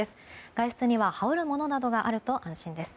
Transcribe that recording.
外出には羽織るものなどがあると安心です。